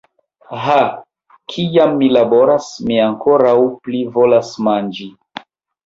Ha, kiam mi laboras, mi ankoraŭ pli volas manĝi.